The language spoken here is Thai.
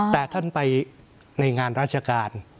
แต่ท่านไปในงานราชการ